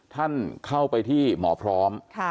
ท่านเข้าไปที่หมอพร้อม